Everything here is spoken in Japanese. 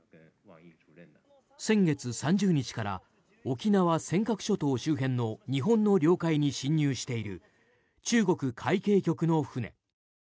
先月３０日から沖縄・尖閣諸島周辺の日本の領海に侵入している中国海警局の船。